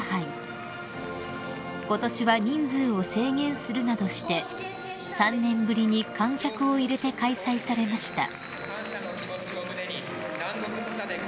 ［ことしは人数を制限するなどして３年ぶりに観客を入れて開催されました］